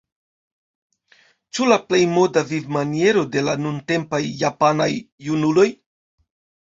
Ĉu la plej moda vivmaniero de la nuntempaj japanaj junuloj?